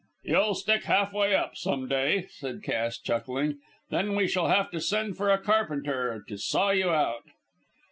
"You'll stick halfway up some day!" said Cass, chuckling, "then we shall have to send for a carpenter to saw you out!"